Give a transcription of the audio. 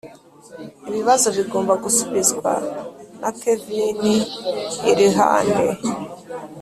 ibibazo bigomba gusubizwa. na kevini irilande.